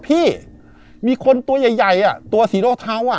พี่มีคนตัวใหญ่ตัวศรีรกษาเทาอ่ะ